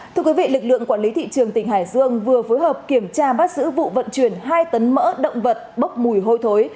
thưa quý vị lực lượng quản lý thị trường tỉnh hải dương vừa phối hợp kiểm tra bắt giữ vụ vận chuyển hai tấn mỡ động vật bốc mùi hôi thối